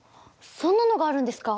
そんなのがあるんですか？